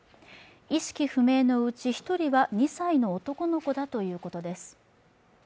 意識不明のうち１人は２歳の男の子だということです。